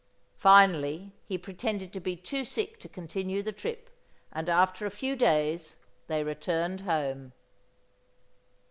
Finally, he pretended to be too sick to continue the trip and after a few days they returned home.